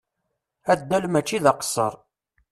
Addal mačči d aqesser.